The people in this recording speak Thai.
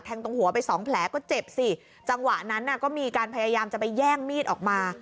ตรงหัวไปสองแผลก็เจ็บสิจังหวะนั้นน่ะก็มีการพยายามจะไปแย่งมีดออกมา